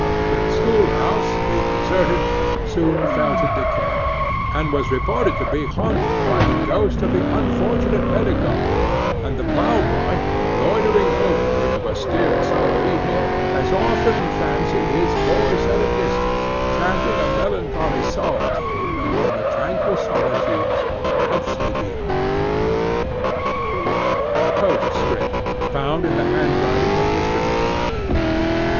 The schoolhouse being deserted soon fell to decay, and was reported to be haunted by the ghost of the unfortunate pedagogue and the plowboy, loitering homeward of a still summer evening, has often fancied his voice at a distance, chanting a melancholy psalm tune among the tranquil solitudes of Sleepy Hollow. POSTSCRIPT. FOUND IN THE HANDWRITING OF MR. KNICKERBOCKER.